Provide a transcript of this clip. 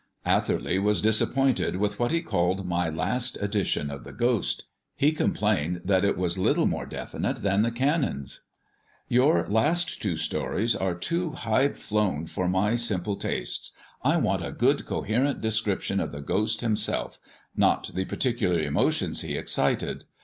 Atherley was disappointed with what he called my last edition of the ghost; he complained that it was little more definite than the Canon's. "Your last two stories are too highflown for my simple tastes. I want a good coherent description of the ghost himself, not the particular emotions he excited.